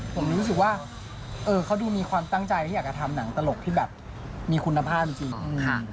ผมเลยรู้สึกว่าเออเขาดูมีความตั้งใจที่อยากจะทำหนังตลกที่แบบมีคุณภาพจริงค่ะ